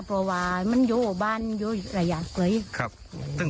แต่ว่ามีปัญหากัน